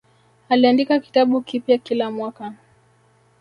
Aliandika kitabu kipya kila mwaka